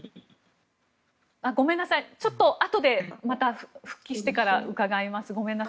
ちょっと、あとでまた復帰してから伺います。